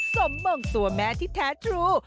สมมงตัวแม่ที่แท้ทรู